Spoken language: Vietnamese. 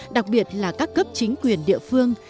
đặc biệt là các cấp chính quyền địa phương